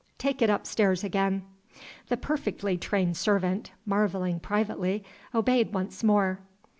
"Take it upstairs again." The perfectly trained servant, marveling privately, obeyed once more.